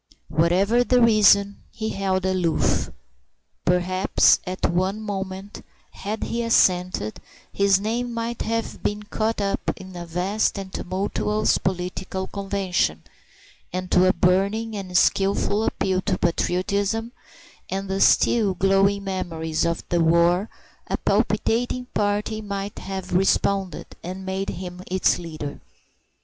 Whatever the reason, he held aloof. Perhaps at one moment, had he assented, his name might have been caught up in a vast and tumultuous political convention, and to a burning and skilful appeal to patriotism and the still glowing memories of the war a palpitating party might have responded, and made him its leader.